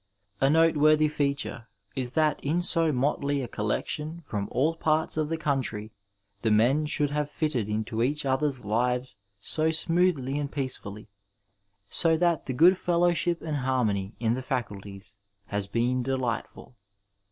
A noteworthy feature is that in so motley a collection from all parts of the country the men should have fitted into each other's lives so smoothly and peacefully, so that the good fellowship and harmony in the faculties has been delightful.